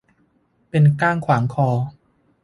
เป็นก้างขวางคอ